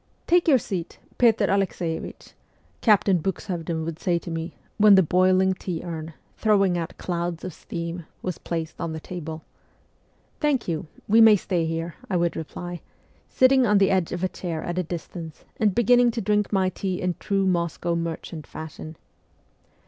' Take your seat, Petr Alexeievich,' Captain Bux SIBERIA 285 hovden would say to me, when the boiling tea urn, throwing out clouds of steam, was placed on the table. ' Thank you ; we may stay here,' I would reply, sitting on the edge of a chair at a distance, and beginning to drink my tea in true Moscow merchant fashion.